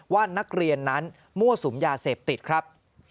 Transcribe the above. ว่านักเรียนนั้นมั่วสุมยาเสพติดครับ